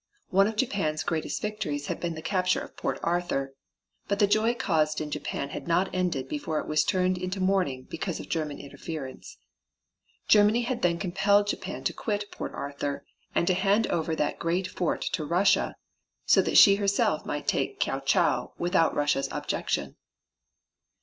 One of Japan's greatest victories had been the capture of Port Arthur, but the joy caused in Japan had not ended before it was turned into mourning because of German interference. Germany had then compelled Japan to quit Port Arthur, and to hand over that great fort to Russia so that she herself might take Kiao chau without Russia's objection.